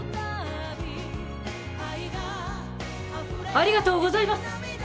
ありがとうございます！